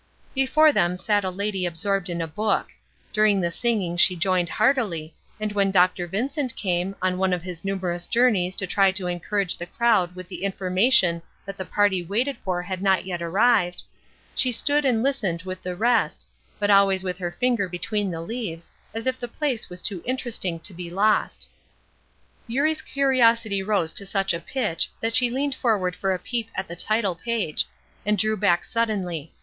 Before them sat a lady absorbed in a book. During the singing she joined heartily, and when Dr. Vincent came, on one of his numerous journeys to try to encourage the crowd with the information that the party waited for had not yet arrived, she looked and listened with the rest, but always with her finger between the leaves, as if the place was too interesting to be lost. Eurie's curiosity rose to such a pitch that she leaned forward for a peep at the title page, and drew back suddenly.